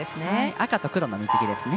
赤と黒の水着ですね。